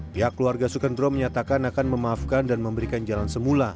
pihak keluarga sukendro menyatakan akan memaafkan dan memberikan jalan semula